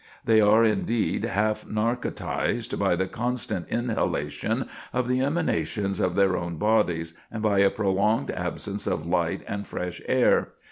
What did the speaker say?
They are, indeed, half narcotized by the constant inhalation of the emanations of their own bodies, and by a prolonged absence of light and fresh air.